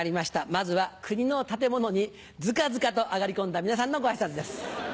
まずは国の建物にずかずかと上がり込んだ皆さんのご挨拶です。